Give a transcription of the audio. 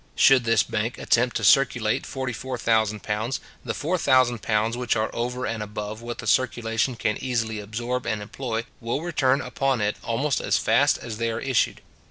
Should this bank attempt to circulate forty four thousand pounds, the four thousand pounds which are over and above what the circulation can easily absorb and employ, will return upon it almost as fast as they are issued.